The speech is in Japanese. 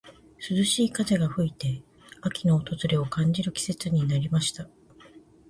涼しい風が吹いて、秋の訪れを感じる季節になりました。